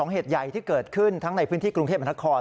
เหตุใหญ่ที่เกิดขึ้นทั้งในพื้นที่กรุงเทพมนคร